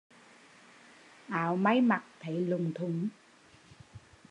Áo may mặc thấy lụng thụng